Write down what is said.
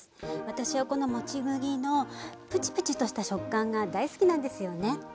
私はこのもち麦のプチプチとした食感が大好きなんですよね。